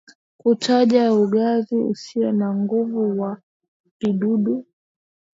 kutaja ugavi usio na nguvu wa vidudu